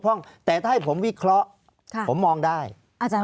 ภารกิจสรรค์ภารกิจสรรค์